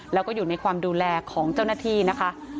แล้วก็อยู่ในความดูแลของเจ้าหน้าที่นะคะ